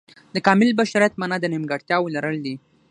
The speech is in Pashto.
د کامل بشریت معنا د نیمګړتیاو لرل دي.